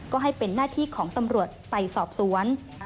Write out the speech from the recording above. ก็ให้เป็นหน้าที่ของตำรวจไปสอบสวน